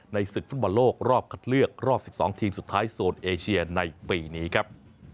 ศึกฟุตบอลโลกรอบคัดเลือกรอบ๑๒ทีมสุดท้ายโซนเอเชียในปีนี้ครับ